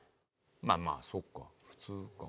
まあまあそうか普通が。